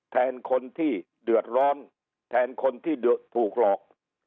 แทนคนที่เดือดร้อนแทนคนที่ถูกหลอก